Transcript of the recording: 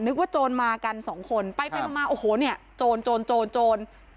โจรมากันสองคนไปไปมาโอ้โหเนี่ยโจรโจรโจรโจร